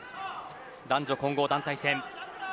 男女混合団体戦です。